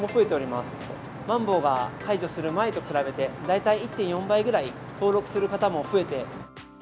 まん防が解除する前と比べて、大体１．４倍ぐらい登録する方も増えて。